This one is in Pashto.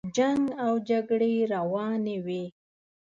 جنګ او جګړې روانې وې.